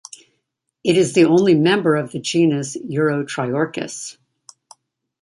It is the only member of the genus "Urotriorchis".